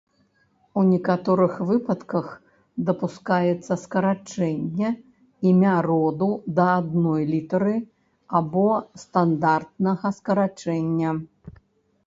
У некаторых выпадках дапускаецца скарачэнне імя роду да адной літары або стандартнага скарачэння.